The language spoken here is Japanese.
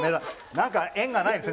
何か縁がないですね